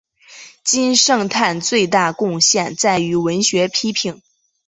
金圣叹最大贡献在于文学批评。